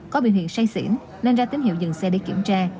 có biểu hiện say xỉn nên ra tín hiệu dừng xe để kiểm tra